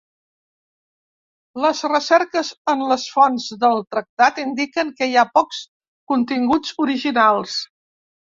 Les recerques en les fonts del Tractat indiquen que hi ha pocs continguts originals.